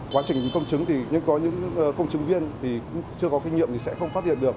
quá trình công chứng thì những công chứng viên chưa có kinh nghiệm thì sẽ không phát hiện được